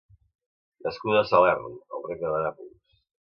Nascuda a Salern, al regne de Nàpols.